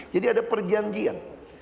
jadi ada perjanjian